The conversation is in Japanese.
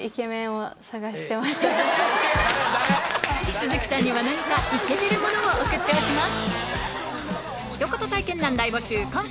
都筑さんには何かイケてるものを送っておきます